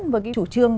với cái chủ trương